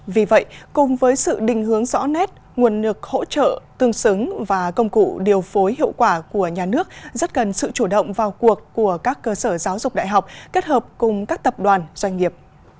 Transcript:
vì vậy cùng với sự định hướng rõ nét nguồn nực hỗ trợ tương xứng và công cụ điều phối hiệu quả của nhà nước rất cần sự chủ động vào cuộc của các cơ sở giáo dục đại học kết hợp cùng các tập đoàn doanh nghiệp